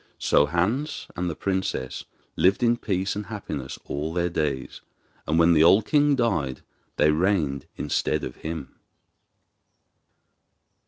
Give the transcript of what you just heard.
So Hans and the princess lived in peace and happiness all their days, and when the old king died they reigned instead of him.